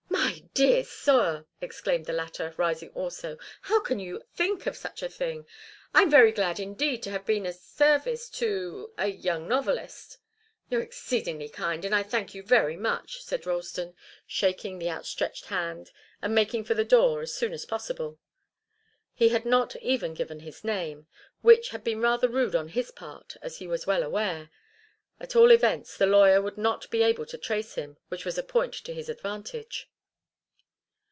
"My dear sir!" exclaimed the latter, rising also. "How can you think of such a thing? I'm very glad indeed to have been of service to a young novelist." "You're exceedingly kind, and I thank you very much," said Ralston, shaking the outstretched hand, and making for the door as soon as possible. He had not even given his name, which had been rather rude on his part, as he was well aware. At all events, the lawyer would not be able to trace him, which was a point to his advantage.